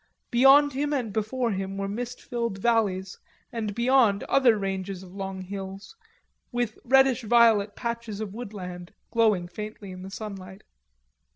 Behind him and before him were mist filled valleys and beyond other ranges of long hills, with reddish violet patches of woodland, glowing faintly in the sunlight.